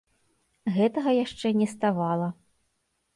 Гэтага яшчэ не ставала.